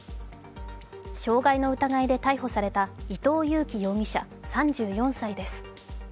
傷害の疑いで逮捕された伊藤裕樹容疑者３４歳です。